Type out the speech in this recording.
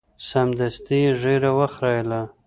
سمدستي یې ږیره وخریله.